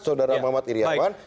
saudara muhammad iryawan